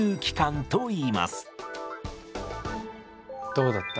どうだった？